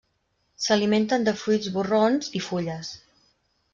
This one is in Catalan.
S'alimenten de fruits borrons i fulles.